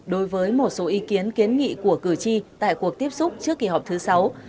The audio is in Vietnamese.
đối với một số ý kiến kiến nghị của cử tri tại cuộc tiếp xúc trước kỳ họp thứ sáu